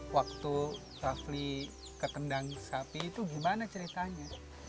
waktu rafli ketendang sapi itu gimana ceritanya